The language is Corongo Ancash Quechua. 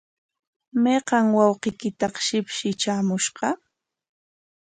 ¿Mayqa wawqiykitaq shipshi traamushqa?